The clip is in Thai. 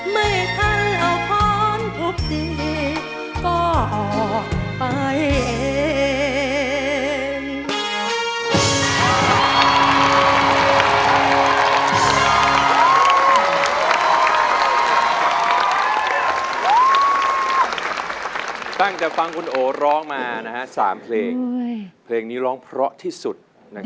ไม่ทันเอาข้อนพบดีก็ออกไปเอง